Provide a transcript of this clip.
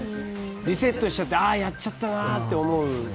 リセットしちゃってあー、やっちゃったなって。